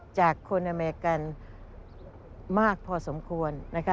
จากคนอเมริกันมากพอสมควร